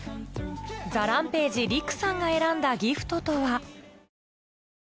ＴＨＥＲＡＭＰＡＧＥＲＩＫＵさんが選んだギフトとは？